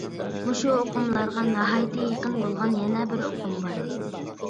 مۇشۇ ئۇقۇملارغا ناھايىتى يېقىن بولغان يەنە بىر ئۇقۇم بار.